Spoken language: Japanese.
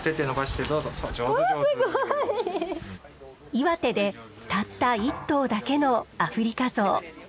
岩手でたった一頭だけのアフリカゾウ。